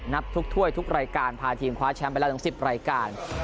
นับทุกถ้วยทุกรายการพาทีมคว้าแชมป์ไปละทั้งสิบรายการ